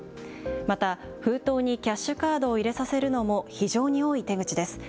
また、封筒にキャッシュカードを入れさせるのも非常に多い手口です。